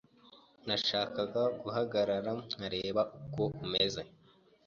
Nashakaga guhagarara nkareba uko umeze.